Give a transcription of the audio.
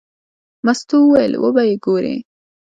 مستو وویل: وبه یې ګورې.